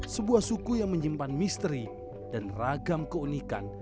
sebuah suku yang menyimpan misteri dan ragam keunikan